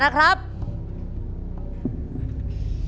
ฮาวะละพร้อม